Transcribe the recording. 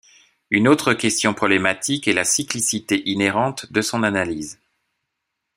Une autre question problématique est la cyclicité inhérente de son analyse.